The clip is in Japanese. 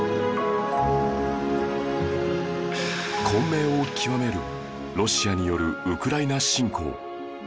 混迷を極めるロシアによるウクライナ侵攻